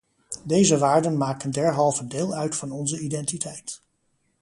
Deze waarden maken derhalve deel uit van onze identiteit.